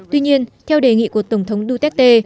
tuy nhiên theo đề nghị của tổng thống duterte